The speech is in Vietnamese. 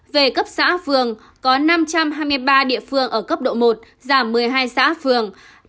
về cấp xã phường có năm trăm hai mươi ba địa phương ở cấp độ một giảm một mươi hai xã phường